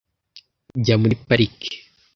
Jya muri parike .